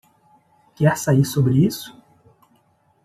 Quer sair sobre isso?